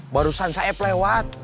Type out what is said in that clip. barusan saya lewat